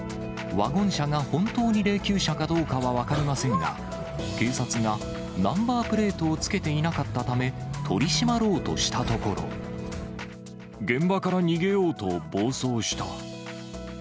ワゴン車が本当に霊きゅう車かどうかは分かりませんが、警察がナンバープレートをつけていなかったため、取り締まろうと現場から逃げようと暴走した。